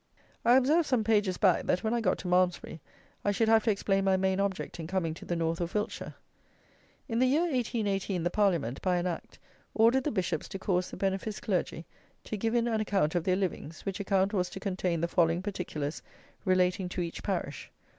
I observed some pages back that when I got to Malmsbury I should have to explain my main object in coming to the North of Wiltshire. In the year 1818 the Parliament, by an Act, ordered the bishops to cause the beneficed clergy to give in an account of their livings, which account was to contain the following particulars relating to each parish: 1.